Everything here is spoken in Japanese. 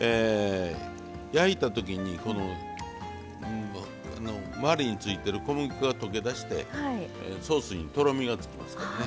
焼いたときにこの周りについてる小麦粉が溶け出してソースにとろみがつきますからね。